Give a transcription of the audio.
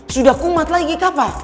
sudah kumat lagi kapa